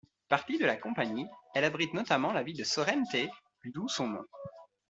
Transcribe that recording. Partie de la Campanie, elle abrite notamment la ville de Sorrente, d'où son nom.